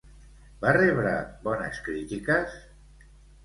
Va rebre bones crítiques?